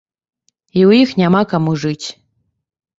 І ў іх няма каму жыць.